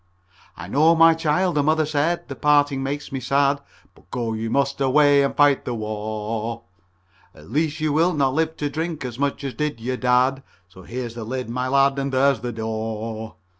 "I know, my child," the mother said. "The parting makes me sad, But go you must away and fight the war. At least you will not live to drink as much as did your dad So here's your lid, my lad, and there's the door."